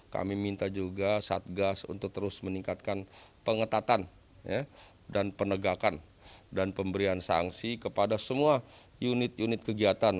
kami minta juga satgas untuk terus meningkatkan pengetatan dan penegakan dan pemberian sanksi kepada semua unit unit kegiatan